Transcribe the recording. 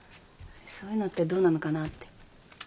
そういうのってどうなのかなって。